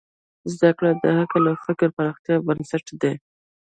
زدهکړه د عقل او فکر پراختیا بنسټ دی.